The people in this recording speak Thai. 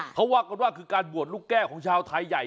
เขาว่ากันว่าคือการบวชลูกแก้วของชาวไทยใหญ่